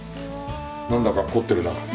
なんだか凝ってるな。